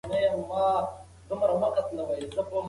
د خیرخانې لاره د ترافیکو له امله بنده وه.